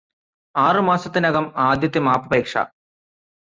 ആറു മാസത്തിനകം ആദ്യത്തെ മാപ്പപേക്ഷ.